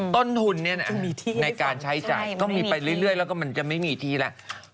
ต้นทุนในการใช้จ่ายต้องมีไปเรื่อยแล้วก็มันจะไม่มีที่แล้ว